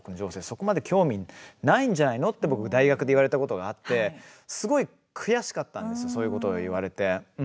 そこまで興味ないんじゃないのって僕、大学で言われたことがあってすごい悔しかったんですそういうことを言われて。